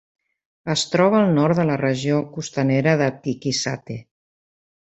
Es troba al nord de la regió costanera de Tiquisate.